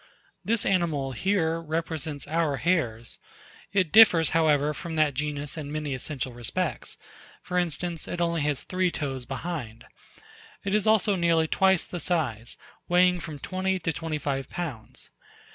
This animal here represents our hares. It differs, however, from that genus in many essential respects; for instance, it has only three toes behind. It is also nearly twice the size, weighing from twenty to twenty five pounds.